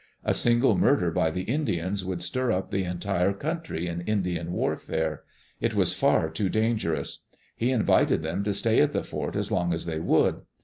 A single murder by the Indians would stir up the entire country in Indian warfare. It was far too dangerous. He invited them to stay at the fort as long as they would.